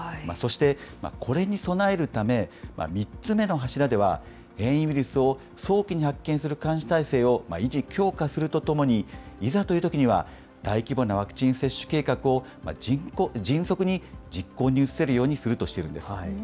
そしてこれに備えるため、３つ目の柱では、変異ウイルスを早期に発見する監視態勢を維持・強化するとともに、いざというときには、大規模なワクチン接種計画を迅速に実行に移せるようにするとしているんです。